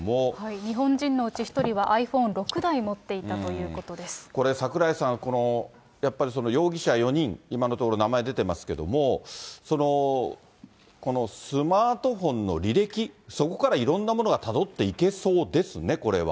日本人のうち１人はｉＰｈｏｎｅ６台持っていたということでこれ、櫻井さん、やっぱり、容疑者４人、今のところ名前出てますけども、スマートフォンの履歴、そこからいろんなものがたどっていけそうですね、これは。